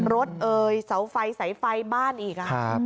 เอ่ยเสาไฟสายไฟบ้านอีก